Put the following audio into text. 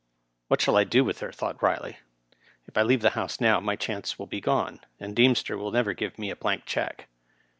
^' What shall I do with her ?" thought Kiley. « If I leave the House now my chance will be gone, and Deem ster will never give me a blank check."